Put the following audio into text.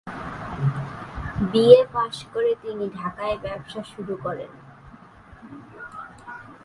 BA পাশ করে তিনি ঢাকায় ব্যবসা শুরু করেন।